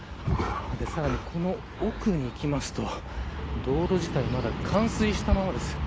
さらに、奥に行きますと道路自体まだ冠水したままです。